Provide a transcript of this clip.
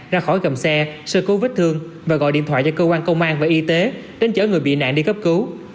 ra khỏi gầm xe sơ cứu vết thương và gọi điện thoại cho cơ quan công an và y tế đến chở người bị nạn đi cấp cứu